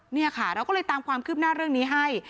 นี่ค่ะเราก็เลยตามความคืบหน้าเรื่องนี้ให้